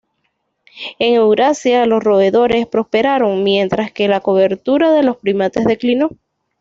En Eurasia los roedores prosperaron, mientras que la cobertura de los primates declinó.